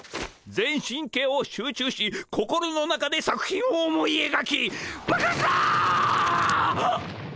全神経を集中し心の中で作品を思いえがき爆発だ！